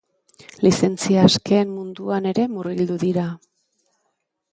Lizentzia askeen munduan ere murgildu dira.